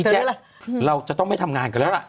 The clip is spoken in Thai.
แจ๊คเราจะต้องไม่ทำงานกันแล้วล่ะ